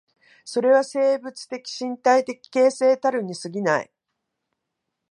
それは生物的身体的形成たるに過ぎない。